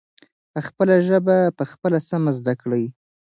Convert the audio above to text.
خپله ژبه پخپله سمه زدکړئ.